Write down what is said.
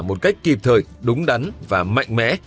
một cách kịp thời đúng đắn và mạnh mẽ